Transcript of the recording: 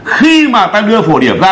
khi mà ta đưa phổ điểm ra